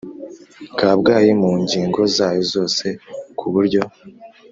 Kabgayi mu ngingo zayo zose ku buryo